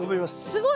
すごい。